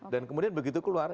dan kemudian begitu keluar